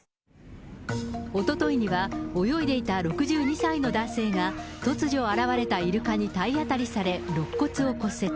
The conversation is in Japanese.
おとといには泳いでいた６２歳の男性が、突如現れたイルカに体当たりされ、ろっ骨を骨折。